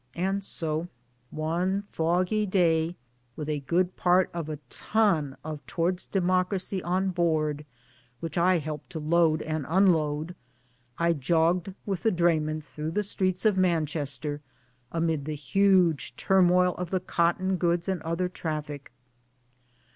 And so one foggy day, with a good part of a ton of Towards Democracy on board which I helped to load and unload I jogged with the dray man through the streets of Manchester amid the huge turmoil of the cotton goods and other traffic.